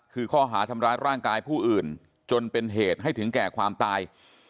คือข้อหาทำร้ายร่างกายผู้อื่นจนเป็นเหตุให้ถึงแก่ความตาย